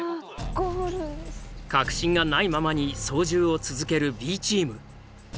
確信がないままに操縦を続けるＢチーム。